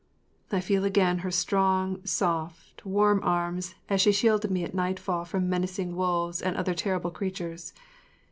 I feel again her strong, soft, warm arms as she shielded me at nightfall from menacing wolves and other terrible creatures.